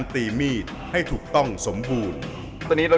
เหมือนเล็บแบบงองเหมือนเล็บตลอดเวลา